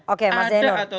oke mas zainul tahan dulu